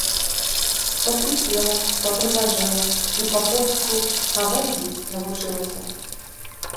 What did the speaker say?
Пасыцела, папрыгажэла і па-польску гавэндзіць навучылася!